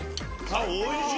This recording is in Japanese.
おいしい！